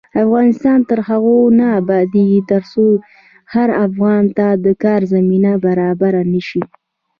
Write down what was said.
افغانستان تر هغو نه ابادیږي، ترڅو هر افغان ته د کار زمینه برابره نشي.